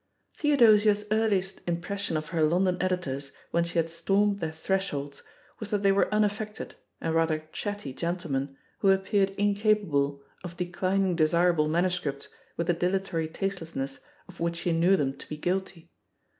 Theodosia's earliest impression of her London editors when she had stormed their thresholds was that they were unaffected and rather chatty gentlemen who appeared incapable of declining desirable manuscripts with the dilatory tasteless ness of which she knew them to be guilty.